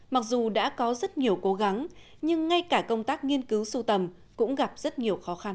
mặc dù đã có rất nhiều cố gắng nhưng ngay cả công tác nghiên cứu sưu tầm cũng gặp rất nhiều khó khăn